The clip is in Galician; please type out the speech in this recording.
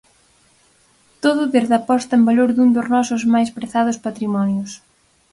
Todo desde a posta en valor dun dos nosos máis prezados patrimonios.